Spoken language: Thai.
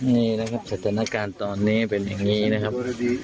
นี่นะครับสถานการณ์ตอนนี้เป็นอย่างนี้นะครับ